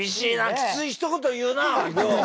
きついひと言言うなりょう。